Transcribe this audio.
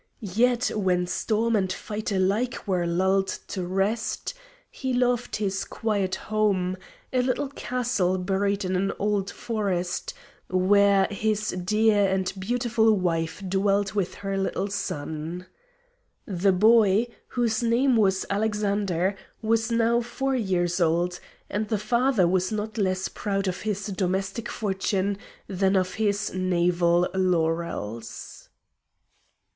Yet, when storm and fight alike were lulled to rest, he loved his quiet home a little castle buried in an old forest, where his dear and beautiful wife dwelt with her little son. The boy, whose name was Alexander, was now four years old, and the father was not less proud of his domestic fortune than of his naval laurels.